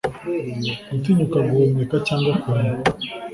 Gutinyuka guhumeka cyangwa kureba